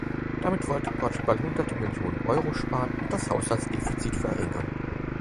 Damit wollte Portugal Hunderte Millionen Euro sparen und das Haushaltsdefizit verringern.